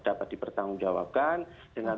dapat dipertanggung jawabkan